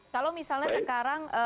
kalau misalnya sekarang